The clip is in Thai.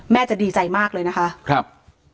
จะดีใจมากเลยนะคะครับ